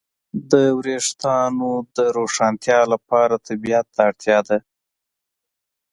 د وېښتیانو د روښانتیا لپاره طبيعت ته اړتیا ده.